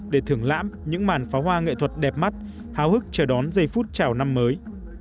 để thưởng lãm những màn pháo hoa nghệ thuật đẹp mắt hào hức chờ đón giây phút chào năm mới